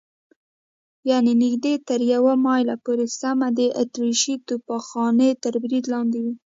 یعنې نږدې تر یوه مایل پورې سم د اتریشۍ توپخانې تر برید لاندې و.